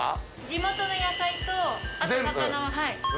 地元の野菜とあと魚は。